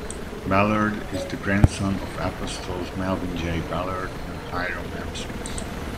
Ballard is the grandson of apostles Melvin J. Ballard and Hyrum M. Smith.